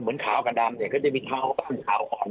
เหมือนขาวกันดำเนี่ยก็จะมีขาวอ่อน